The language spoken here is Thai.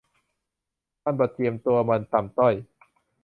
มันบ่เจียมตัวมัน ต่ำต้อย